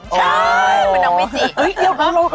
ใช่เป็นน้องเมจิ